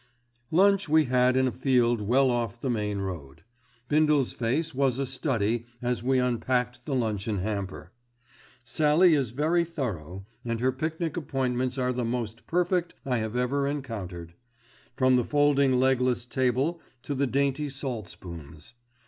Lunch we had in a field well off the main road. Bindle's face was a study as we unpacked the luncheon hamper. Sallie is very thorough, and her pic nic appointments are the most perfect I have ever encountered, from the folding legless table to the dainty salt spoons.